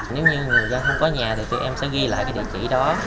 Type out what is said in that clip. nếu như người dân không có nhà thì tụi em sẽ ghi lại cái địa chỉ đó